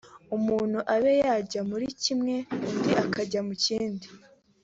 umuntu abe yajya muri kimwe undi akajya mu kindi